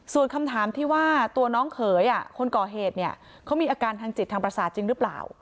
ส่วนคำถามที่ว่าตัวน้องเขยคนก่อเหตุเนี่ยเขามีอาการทางจิตทางประสาทจริงหรือเปล่า